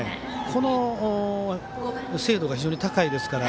この精度が非常に高いですから。